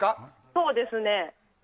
そうですね。